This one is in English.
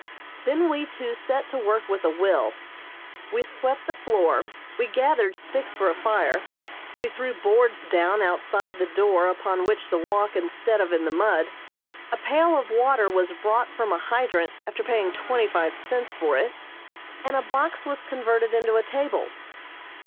Then we two set to work with a will. We swept the floor, we gathered sticks for a fire, we threw boards down outside the door upon which to walk instead of in the mud, a pail of water was brought from a hydrant after paying twenty five cents for it, and a box was converted into a table.